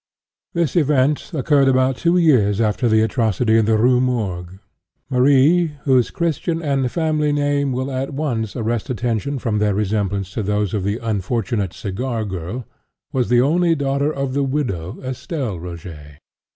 This event occurred about two years after the atrocity in the Rue Morgue. Marie, whose Christian and family name will at once arrest attention from their resemblance to those of the unfortunate "cigar girl," was the only daughter of the widow Estelle Rogêt.